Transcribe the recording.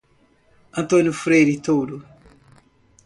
Antônio Freire Touro